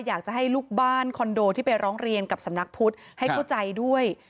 อยากจะให้ลูกบ้านคอนโดที่ไปร้องเรียนกับสำนักพุทธให้เข้าใจด้วย